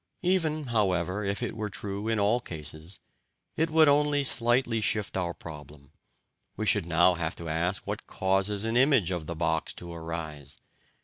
Even, however, if it were true in all cases, it would only slightly shift our problem: we should now have to ask what causes an image of the box to arise.